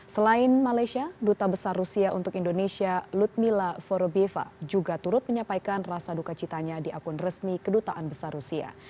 selain malaysia duta besar rusia untuk indonesia ludmila forobieva juga turut menyampaikan rasa duka citanya di akun resmi kedutaan besar rusia